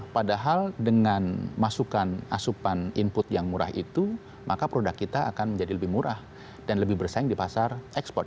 padahal dengan masukan asupan input yang murah itu maka produk kita akan menjadi lebih murah dan lebih bersaing di pasar ekspor